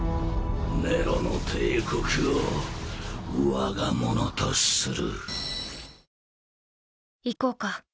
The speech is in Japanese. ネロの帝国を我がものとする。